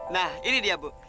nah ini dia bu